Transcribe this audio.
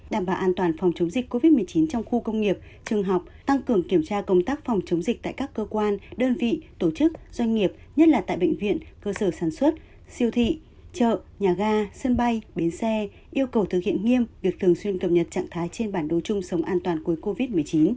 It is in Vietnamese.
đảm bảo an toàn phòng chống dịch covid một mươi chín trong khu công nghiệp trường học tăng cường kiểm tra công tác phòng chống dịch tại các cơ quan đơn vị tổ chức doanh nghiệp nhất là tại bệnh viện cơ sở sản xuất siêu thị chợ nhà ga sân bay bến xe yêu cầu thực hiện nghiêm việc thường xuyên cập nhật trạng thái trên bản đồ chung sống an toàn cuối covid một mươi chín